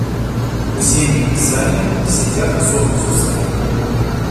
У Сени и Сани в сетях сом с усами.